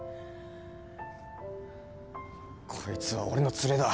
こいつは俺のツレだ。